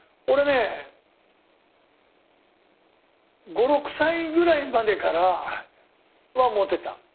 俺ね５６歳ぐらいまでからはモテた。